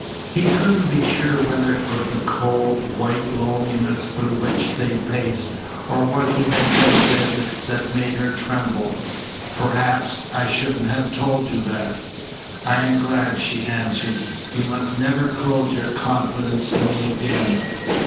He couldn't be sure whether it was the cold, white loneliness through which they paced, or what he had just said that made her tremble. "Perhaps I shouldn't have told you that." "I am glad," she answered. "You must never close your confidence to me again.